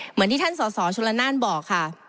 เหมือนที่ท่านสสชุลนานบอกค่ะ